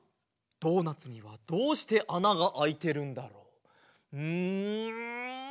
ドーナツにはどうしてあながあいてるんだろう？ん？